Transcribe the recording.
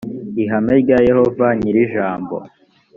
ihame rya yehova nyir’ijambo